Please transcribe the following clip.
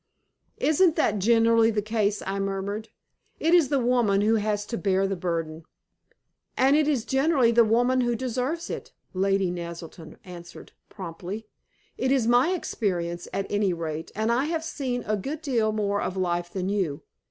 "Isn't that generally the case?" I murmured. "It is the woman who has to bear the burden." "And it is generally the woman who deserves it," Lady Naselton answered, promptly. "It is my experience, at any rate, and I have seen a good deal more of life than you.